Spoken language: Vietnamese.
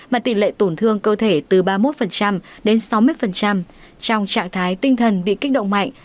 mà tỷ lệ tổn thương cơ thể từ ba mươi một đến sáu mươi trong trạng thái tinh thần bị kích động mạnh